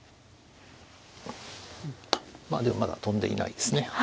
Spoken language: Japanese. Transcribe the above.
でもまだ跳んでいないですね。